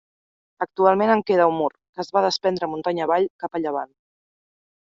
Actualment en queda un mur, que es va desprendre muntanya avall, cap a llevant.